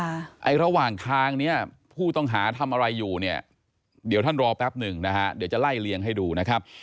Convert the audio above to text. แต่ระหว่างทางนี้ผู้ต้องหาทำอะไรอยู่เนี่ยเดี๋ยวท่านรอแป๊บนึงจะไล่เลียงให้ดูนะครับ